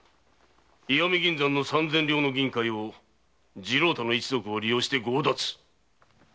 石見銀山の三千両の銀塊を次郎太の一族を利用して強奪。